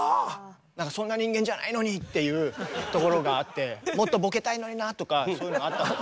何かそんな人間じゃないのにっていうところがあってもっとボケたいのになとかそういうのがあったんです。